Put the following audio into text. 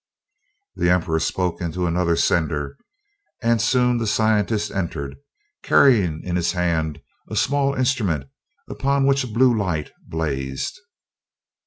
The Emperor spoke into another sender, and soon the scientist entered, carrying in his hand a small instrument upon which a blue light blazed.